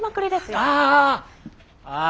ああ！